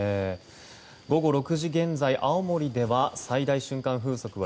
午後６時現在、青森では最大瞬間風速は